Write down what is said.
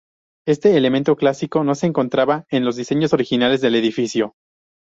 Este elemento clásico no se encontraba en los diseños originales del edificio.